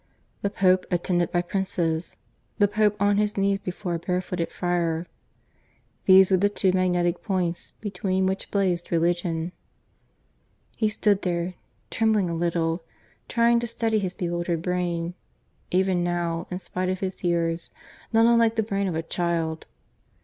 The Pope attended by princes the Pope on his knees before a barefooted friar. These were the two magnetic points between which blazed Religion. He stood there, trembling a little, trying to steady his bewildered brain even now, in spite of his years, not unlike the brain of a child.